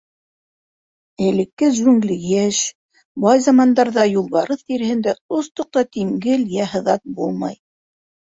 Элекке джунгли йәш, бай замандарҙа Юлбарыҫ тиреһендә остоҡ та тимгел йә һыҙат булмай.